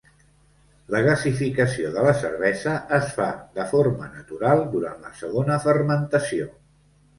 La gasificació de la cervesa es fa de forma natural durant la segona fermentació.